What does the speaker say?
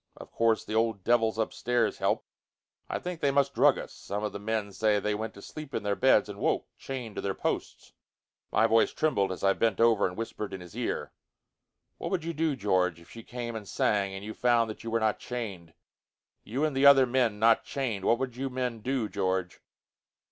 Of course, the old devils upstairs help. I think that they must drug us. Some of the men say that they went to sleep in their beds and woke, chained to their posts." My voice trembled as I bent over and whispered in his ear, "What would you do, George, if she came and sang, and you found that you were not chained? You and the other men not chained? What would you men do, George?"